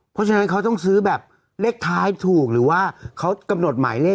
เพราะฉะนั้นเขาต้องซื้อแบบเลขท้ายถูกหรือว่าเขากำหนดหมายเลข